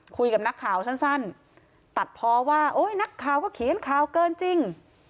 คุยกับนักข่าวสั้นตัดเพราะว่าโอ๊ยนักข่าวก็เขียนข่าวเกินจริง